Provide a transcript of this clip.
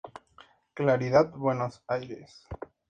Claridad, Buenos Aires.